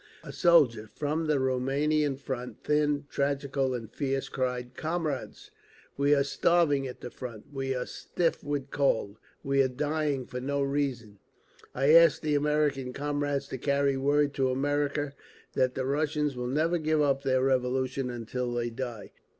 A soldier from the Rumanian front, thin, tragical and fierce, cried, "Comrades! We are starving at the front, we are stiff with cold. We are dying for no reason. I ask the American comrades to carry word to America, that the Russians will never give up their Revolution until they die.